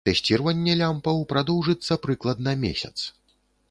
Тэсціраванне лямпаў прадоўжыцца прыкладна месяц.